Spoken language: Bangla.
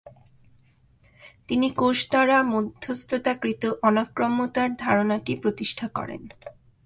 তিনি কোষ দ্বারা মধ্যস্থতাকৃত অনাক্রম্যতার ধারণাটি প্রতিষ্ঠা করেন।